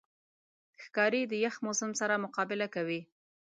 ښکاري د یخ موسم سره مقابله کوي.